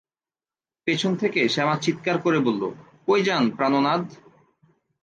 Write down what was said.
পেছন থেকে শ্যামা চিৎকার করে বলল " কই যান প্রাণোনাদ।